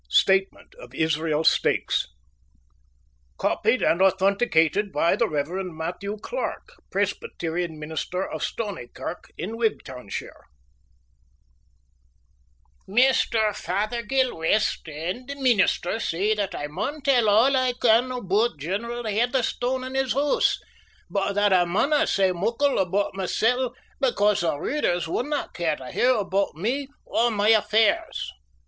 STATEMENT OF ISRAEL STAKES (Copied and authenticated by the Reverend Mathew Clark, Presbyterian Minister of Stoneykirk, in Wigtownshire) Maister Fothergill West and the meenister say that I maun tell all I can aboot General Heatherstone and his hoose, but that I maunna say muckle aboot mysel' because the readers wouldna care to hear aboot me or my affairs.